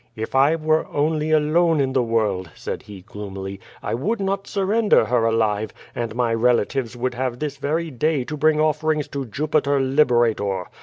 "If I were only alone in the world," said he gloomily, "I would not surrender her alive, and my relatives would have this very day to bring offerings to Jupiter Liberator.